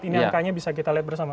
ini angkanya bisa kita lihat bersama